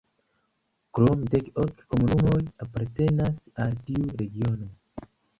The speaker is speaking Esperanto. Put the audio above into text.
Krome dek-ok komunumoj apartenas al tiu regiono.